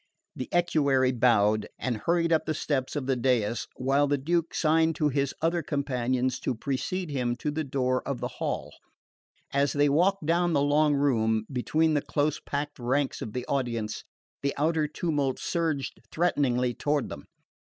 The equerry bowed, and hurried up the steps of the dais, while the Duke signed to his other companions to precede him to the door of the hall. As they walked down the long room, between the close packed ranks of the audience, the outer tumult surged threateningly toward them.